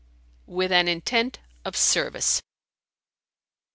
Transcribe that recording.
"With an intent of service."